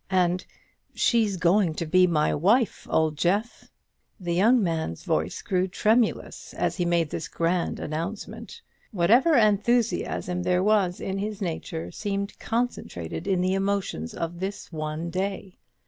And she's going to be my wife, old Jeff!" The young man's voice grew tremulous as he made this grand announcement. Whatever enthusiasm there was in his nature seemed concentrated in the emotions of this one day.